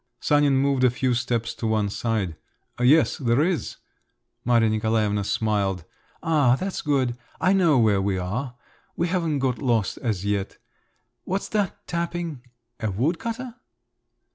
Sanin moved a few steps to one side. "Yes, there is." Maria Nikolaevna smiled. "Ah, that's good! I know where we are. We haven't got lost as yet. What's that tapping? A wood cutter?"